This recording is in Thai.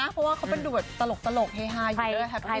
เพราะว่าเขาเป็นดูตลกเฮฮาอยู่ด้วยแฮปปี้